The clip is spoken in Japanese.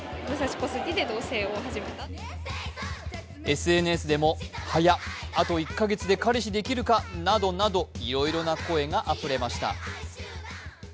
ＳＮＳでも早ッ！、あと１カ月で彼氏できるか、などなどいろいろな声があふれました。